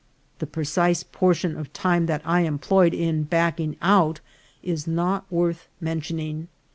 The precise portion of time that I employed in backing out is not worth mentioning.